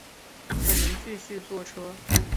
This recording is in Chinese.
我们继续坐车